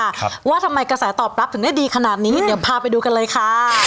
ครับว่าทำไมกระแสตอบรับถึงได้ดีขนาดนี้เดี๋ยวพาไปดูกันเลยค่ะ